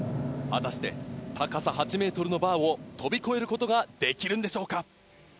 果たして高さ８ｍのバーを飛び越えることができるんでしょうか。